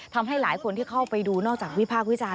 ทำให้หลายคนที่เข้าไปดูนอกจากวิพากษ์วิจารณ